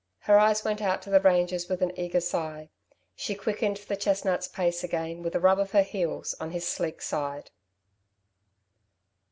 Her eyes went out to the ranges with an eager sigh. She quickened the chestnut's pace again with a rub of her heels on his sleek side.